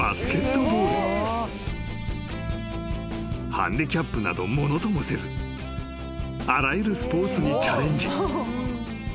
［ハンディキャップなどものともせずあらゆるスポーツにチャレンジ］